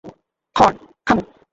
Thorn, থামুন!